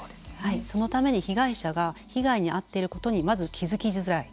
そのために被害者が被害に遭っていることにまず気付きづらい。